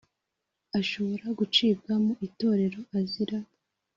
Ashobora gucibwa mu itorero azira